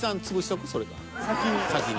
先に。